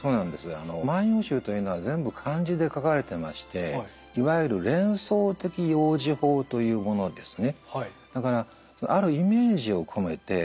あの「万葉集」というのは全部漢字で書かれてましていわゆる連想的用字法というものですね。